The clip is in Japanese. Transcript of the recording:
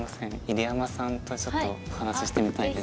入山さんとちょっとお話ししてみたいです。